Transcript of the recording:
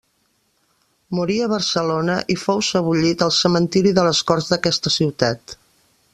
Morí a Barcelona i fou sebollit al Cementiri de les Corts d'aquesta ciutat.